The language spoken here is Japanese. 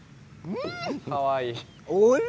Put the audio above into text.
かわいい。